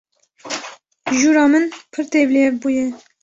Jûra min pir tevlihev bûye.